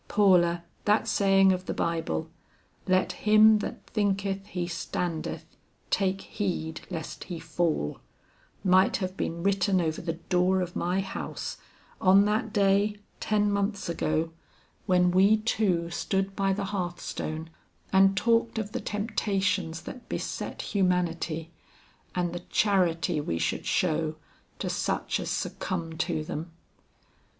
Paula, that saying of the Bible, 'Let him that thinketh he standeth take heed lest he fall,' might have been written over the door of my house on that day, ten months ago, when we two stood by the hearthstone and talked of the temptations that beset humanity, and the charity we should show to such as succumb to them.